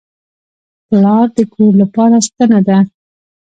پلار د کور لپاره ستنه ده.